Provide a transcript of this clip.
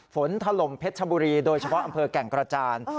ถล่มเพชรชบุรีโดยเฉพาะอำเภอแก่งกระจาน